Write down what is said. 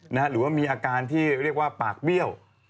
หรือว่ามีอาการที่เรียกว่าปากเบี้ยว